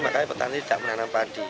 makanya petani tidak menanam padi